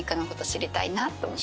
「知りたいな」って？